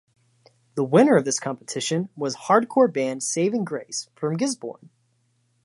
The winner of this competition was hardcore band Saving Grace, from Gisborne.